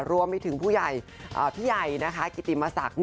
รวมไปถึงผู้ใหญ่พี่ใหญ่กิติมสัก๑